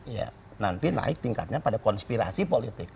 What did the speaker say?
jadi nanti naik tingkatnya pada konspirasi politik